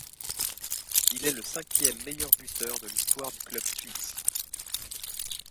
Il est le cinquième meilleur buteur de l'histoire du club suisse.